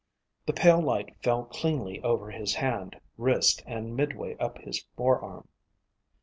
The pale light fell cleanly over his hand, wrist, and midway up his forearm.